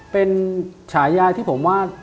เป็นฉายาที่ผมว่า